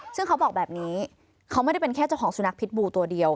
ซึ่งเขาบอกแบบนี้เขาไม่ได้เป็นแค่เจ้าของสุนัขพิษบูตัวเดียว